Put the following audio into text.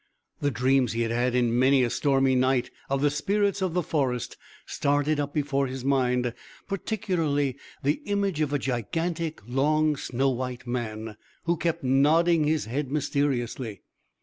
The dreams he had had in many a stormy night of the spirits of the forest started up before his mind, particularly the image of a gigantic long snow white man, who kept nodding his head mysteriously.